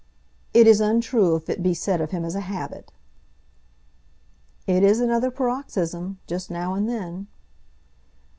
"It is untrue if it be said of him as a habit." "It is another paroxysm, just now and then."